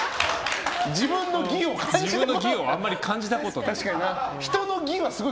自分の技をあんまり感じたことない。